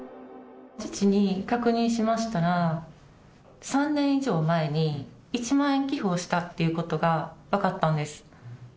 父に確認しましたら、３年以上前に１万円寄付をしたっていうことが分かったんです。